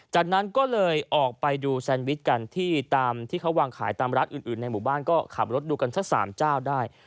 จากนั้นก็เลยออกไปดูแซนวิชกันที่ตามที่เขาวางขายตามร้านอื่นในหมู่บ้านก็ขับรถดูกันสัก๓เจ้าได้